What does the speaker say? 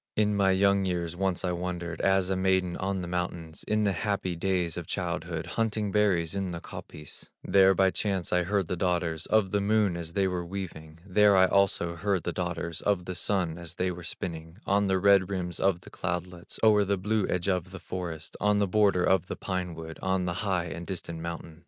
In my young years once I wandered, As a maiden on the mountains, In the happy days of childhood, Hunting berries in the coppice; There by chance I heard the daughters Of the Moon as they were weaving; There I also heard the daughters Of the Sun as they were spinning On the red rims of the cloudlets, O'er the blue edge of the forest, On the border of the pine wood, On a high and distant mountain.